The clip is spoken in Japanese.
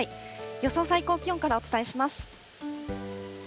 予想最高気温からお伝えします。